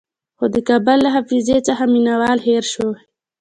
خو د کابل له حافظې څخه میوندوال هېر شوی.